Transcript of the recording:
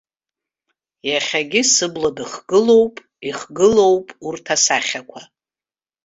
Иахьагьы сыбла дыхгылоуп, ихгылоуп урҭ асахьақәа.